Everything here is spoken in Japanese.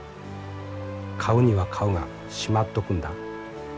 買うには買うがしまっとくんだ。